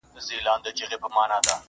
او په ژمي اورېدلې سختي واوري,